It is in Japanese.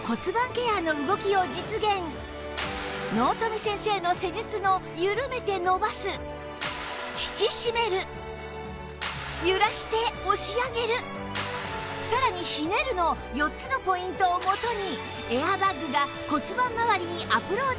納富先生の施術のゆるめて伸ばす引きしめるゆらして押し上げるさらにひねるの４つのポイントをもとに